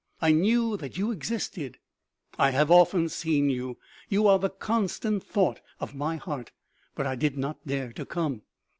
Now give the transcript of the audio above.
I knew that you existed, I have often seen you ; you are the constant thought of my heart, but I did not dare to come."